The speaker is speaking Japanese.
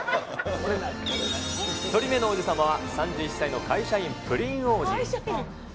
１人目の王子様は３１歳の会社員、プリン王子。